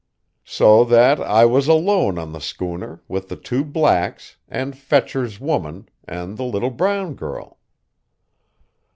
"So that I was alone on the schooner, with the two blacks, and Fetcher's woman, and the little brown girl.